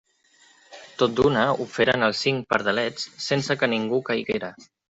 Tot d'una ho feren els cinc pardalets sense que ningú caiguera.